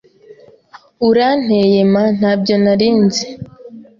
Uranteye ma ntabyo narinzi